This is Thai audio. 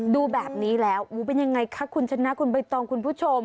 ดูแบบนี้แล้วเป็นยังไงคะคุณชนะคุณใบตองคุณผู้ชม